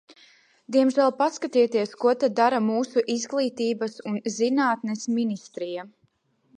Diemžēl paskatieties, ko tad dara mūsu Izglītības un zinātnes ministrija!